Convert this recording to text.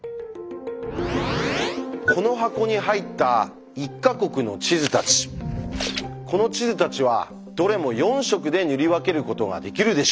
この箱に入った１か国の地図たちこの地図たちはどれも４色で塗り分けることができるでしょうか？